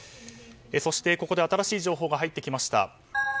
そして、ここで新しい情報が入ってきました。